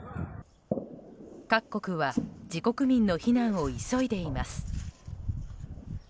各国は自国民の避難を急いでいます。